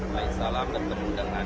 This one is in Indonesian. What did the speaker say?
nabi adam baik salam